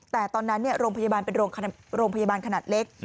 แต่ตอนนั้นโรงพยาบาลเป็นโรงพยาบาลขนาดเล็ก